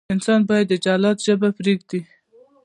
انسان باید د جلاد ژبه پرېږدي.